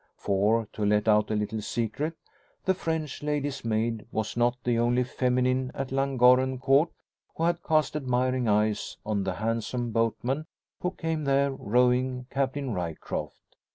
For, to let out a little secret, the French lady's maid was not the only feminine at Llangorren Court who had cast admiring eyes on the handsome boatman who came there rowing Captain Ryecroft.